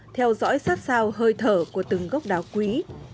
theo dõi sát sao hơi thở của từng gốc đào quý